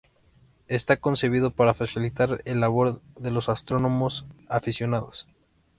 Está concebido para facilitar la labor de los astrónomos aficionados.